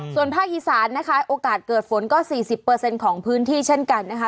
ส่วนภาคอีสานนะคะโอกาสเกิดฝนก็๔๐ของพื้นที่เช่นกันนะคะ